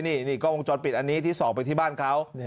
นี่กล้องวงจรปิดอันนี้ที่ส่องไปที่บ้านเขา